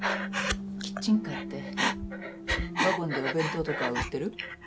キッチンカーってワゴンでお弁当とか売ってる？